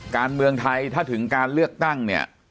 การเมืองไทยถ้าถึงการเลือกตั้งเนี่ย